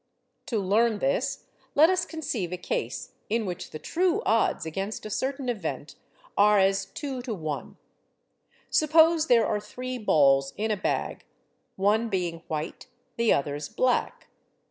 To learn this let us conceive a case in which the true odds against a certain event are as 2 to 1. Suppose there are three balls in a bag, one being white, the others black.